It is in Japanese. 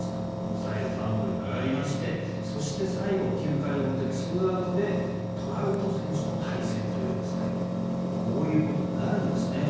抑えでマウンドに上がりましてそして最後、９回表２アウトでトラウト選手と対戦というこういうことになるんですね。